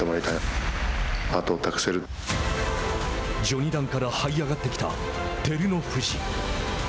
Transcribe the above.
序二段からはい上がってきた照ノ富士。